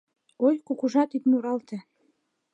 Ой, кукужат, ит муралте